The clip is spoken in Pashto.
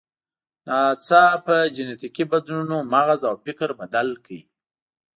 ناڅاپي جینټیکي بدلونونو مغز او فکر بدل کړل.